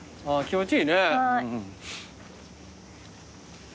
気持ちいいね。